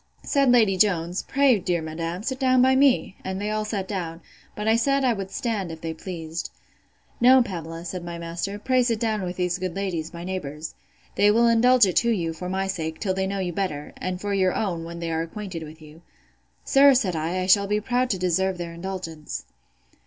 said Lady Jones, Pray, dear madam, sit down by me: and they all sat down: But I said, I would stand, if they pleased. No, Pamela, said my master: pray sit down with these good ladies, my neighbours:—They will indulge it to you, for my sake, till they know you better; and for your own, when they are acquainted with you. Sir, said I, I shall be proud to deserve their indulgence.